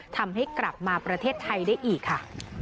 ทำให้กลับมาประเทศไทยได้อีกค่ะ